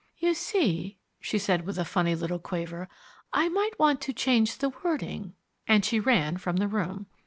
"You see," she said with a funny little quaver, "I might want to change the wording." And she ran from the room.